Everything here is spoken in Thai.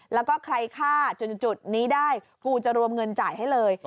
แล้วก็ใครฆ่าจุดนี้ได้กูจะรวมเงินจ่ายให้เลย